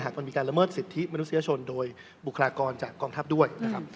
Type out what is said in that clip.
หากมีการระเมิดสิทธิมนุษยชนโดยบุคลากรจากกองทัพด้วย